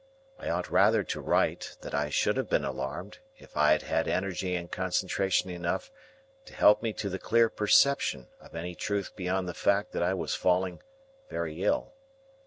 I ought rather to write that I should have been alarmed if I had had energy and concentration enough to help me to the clear perception of any truth beyond the fact that I was falling very ill.